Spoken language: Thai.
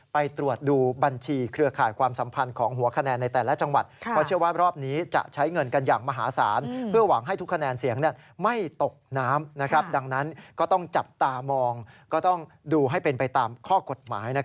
ไปตรวจดูบัญชีเครือข่ายความสัมพันธ์ของหัวคะแนนในแต่ละจังหวัด